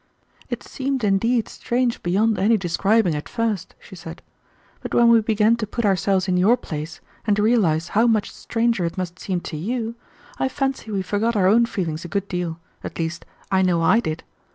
"It seemed indeed strange beyond any describing at first," she said, "but when we began to put ourselves in your place, and realize how much stranger it must seem to you, I fancy we forgot our own feelings a good deal, at least I know I did.